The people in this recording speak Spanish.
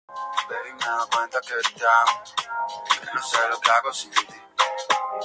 Esta actividad se expandió luego a otros productos afines, como la semilla de marañón.